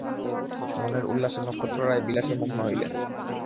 মনের উল্লাসে নক্ষত্ররায় বিলাসে মগ্ন হইলেন।